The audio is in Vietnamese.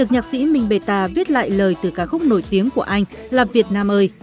nhạc sĩ minh bê ta viết lại lời từ ca khúc nổi tiếng của anh là việt nam ơi